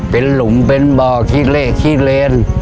เป็นหลุมเป็นบ่อขี้เละขี้เลน